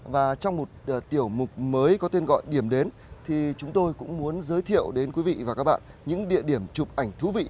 và trong một tiểu mục mới có tên gọi điểm đến thì chúng tôi cũng muốn giới thiệu đến quý vị và các bạn những địa điểm chụp ảnh thú vị